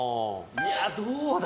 いやどうだ？